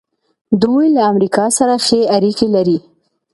دوی له امریکا سره ښې اړیکې لري.